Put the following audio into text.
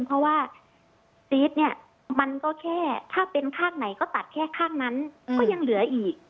เพราะว่าซีสเนี่ยมันก็แค่ถ้าเป็นข้างไหนก็ตัดแค่ข้างนั้นก็ยังเหลืออีก